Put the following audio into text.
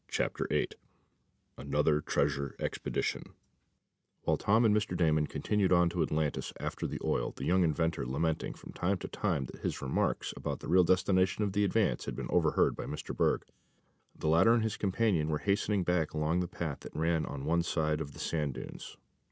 Chapter Eight Another Treasure Expedition While Tom and Mr. Damon continued on to Atlantis after the oil, the young inventor lamenting from time to time that his remarks about the real destination of the Advance had been overheard by Mr. Berg, the latter and his companion were hastening back along the path that ran on one side of the sand dunes.